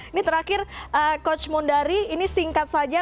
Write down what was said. ini terakhir coach mundari ini singkat saja